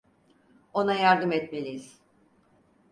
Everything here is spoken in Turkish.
Ona yardım etmeliyiz.